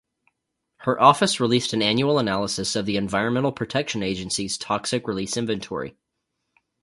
Her office released an annual analysis of the Environmental Protection Agency's Toxic Release Inventory.